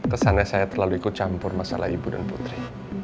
kesannya saya terlalu ikut campur masalah ibu dan putri